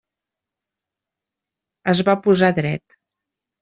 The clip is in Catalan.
Es va posar dret.